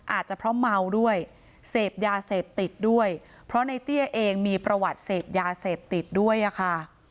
อาจจะเพราะเมาด้วยเสพยาเสพติดด้วยเพราะในเตี้ยเองมีประวัติเสพยาเสพติดด้วยอะค่ะ